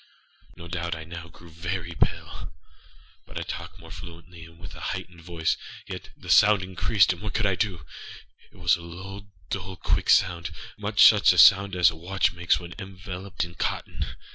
No doubt I now grew very pale; âbut I talked more fluently, and with a heightened voice. Yet the sound increasedâand what could I do? It was a low, dull, quick soundâmuch such a sound as a watch makes when enveloped in cotton.